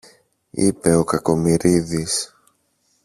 είπε ο Κακομοιρίδης